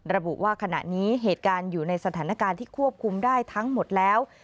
ระบุว่าขณะนี้เหตุการณ์อยู่ในสถานการณ์ที่ควบคุมได้ทั้งหมดแล้ว